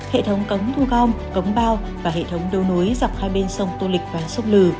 hệ thống cống thu gom cống bao và hệ thống đô núi dọc hai bên sông tô lịch và sốc lừ